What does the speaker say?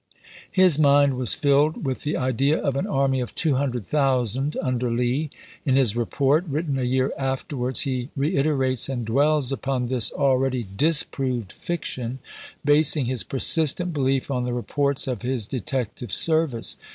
His mind was filled with the idea of an army of 200,000 under Lee. In his report, written ibid, a year afterwards, he reiterates and dwells upon this already disproved fiction, basing his persistent belief on the reports of his detective service.